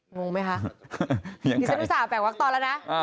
งงไหมคะดิสัมภิกษาแปลกวักตอนแล้วนะ